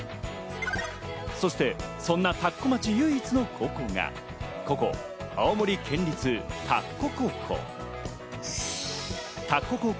そしてそんな田子町唯一の高校がここ青森県立田子高校。